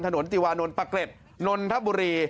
ติวานนท์ปะเกร็ดนนทบุรี